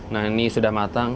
nah ini sudah matang